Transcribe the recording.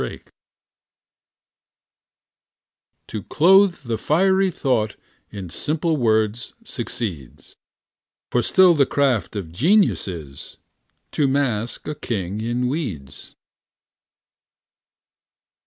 POET To clothe the fiery thought In simple words succeeds, For still the craft of genius is To mask a king in weeds.